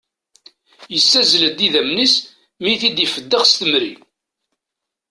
Yessazzel-d idammen-is mi i t-ifeddex s temri